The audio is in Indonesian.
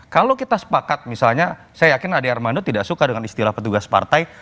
kalau kita sepakat misalnya saya yakin ade armando tidak suka dengan istilah petugas partai